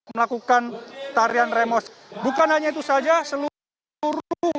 melakukan tarian remos bukan hanya itu saja seluruh